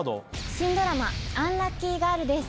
新ドラマ『アンラッキーガール！』です。